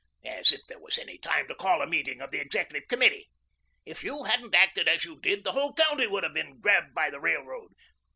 As if there was any time to call a meeting of the Executive Committee. If you hadn't acted as you did, the whole county would have been grabbed by the Railroad.